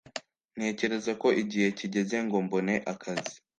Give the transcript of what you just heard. ntekereza ko igihe kigeze ngo mbone akazi